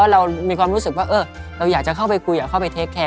เรามีความรู้สึกว่าเราอยากจะเข้าไปคุยอยากเข้าไปเทคแคร์